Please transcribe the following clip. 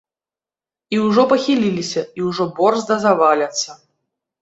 І ўжо пахіліліся, і ўжо борзда заваляцца.